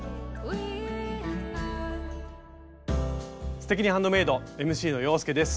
「すてきにハンドメイド」ＭＣの洋輔です。